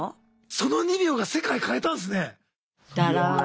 その２秒が世界変えたんですね。